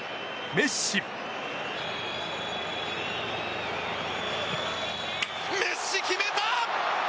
メッシ、決めた！